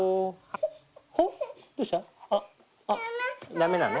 ダメなの？